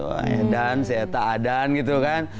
wah edan saya tak adan gitu kan